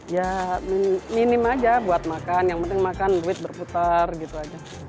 ya minim aja buat makan yang penting makan duit berputar gitu aja